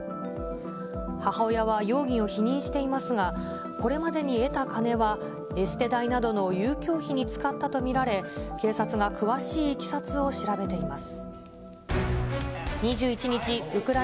母親は容疑を否認していますが、これまでに得た金はエステ代などの遊興費に使ったと見られ、警察が詳しいいきさつを調べています。